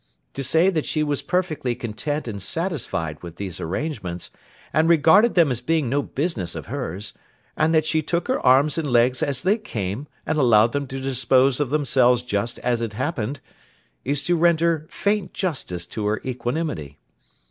To say that she was perfectly content and satisfied with these arrangements, and regarded them as being no business of hers, and that she took her arms and legs as they came, and allowed them to dispose of themselves just as it happened, is to render faint justice to her equanimity.